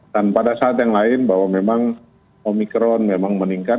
pada saat yang lain bahwa memang omikron memang meningkat